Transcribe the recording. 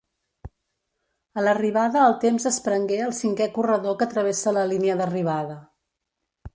A l'arribada el temps es prengué al cinquè corredor que travessa la línia d'arribada.